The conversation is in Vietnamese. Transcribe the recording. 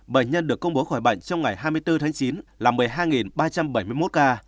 bệnh nhân được công bố khỏi bệnh trong ngày hai mươi bốn tháng chín là một mươi hai ba trăm bảy mươi một ca